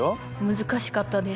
難しかったです。